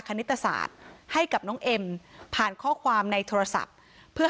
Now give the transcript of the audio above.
แต่ก็เหมือนกับว่าจะไปดูของเพื่อนแล้วก็ค่อยทำส่งครูลักษณะประมาณนี้นะคะ